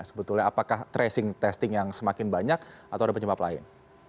sebetulnya apakah tracing testing yang semakin banyak atau ada penyebab lain